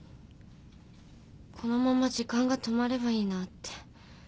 このまま時間が止まればいいなって。